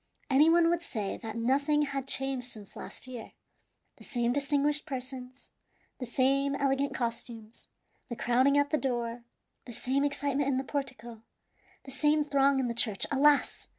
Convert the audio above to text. Any one would say that nothing had changed since last year. The same distinguished persons, the same elegant costumes, the crowding at the door, the same excitement in the portico, the same throng in the church. Alas!